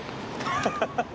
ハハハハ。